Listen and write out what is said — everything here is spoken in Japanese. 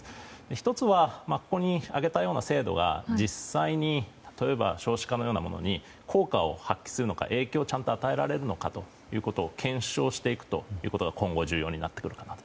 １つはここに挙げたような制度が実際に例えば少子化のようなものに効果を発揮するのか影響をちゃんと与えられるのかということを検証していくことが今後、重要になってくるかなと。